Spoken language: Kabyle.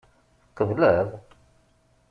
Tqebled?